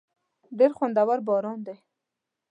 ډېر خوندور باران دی.